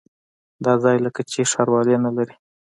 دا ځای لکه چې ښاروالي نه لري.